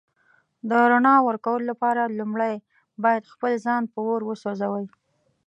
د رڼا ورکولو لپاره لومړی باید ځان په اور وسوځوئ.